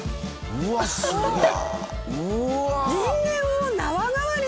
うわすげえ！